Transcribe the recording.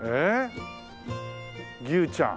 牛ちゃん。